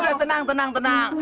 udah tenang tenang tenang